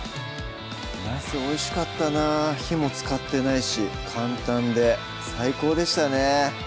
なすおいしかったな火も使ってないし簡単で最高でしたね